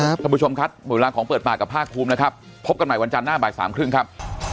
ท่านผู้ชมครับหมดเวลาของเปิดปากกับภาคภูมินะครับพบกันใหม่วันจันทร์หน้าบ่ายสามครึ่งครับ